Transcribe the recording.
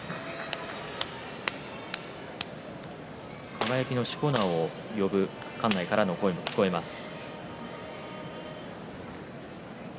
輝のしこ名を呼ぶ館内からの声も聞こえます。